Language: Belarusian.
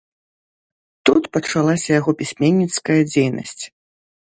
Тут пачалася яго пісьменніцкая дзейнасць.